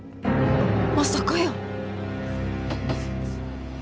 まさかやー。